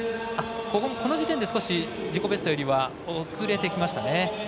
この時点で、自己ベストよりは遅れてきましたね。